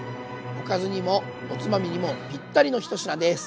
おかずにもおつまみにもぴったりの１品です。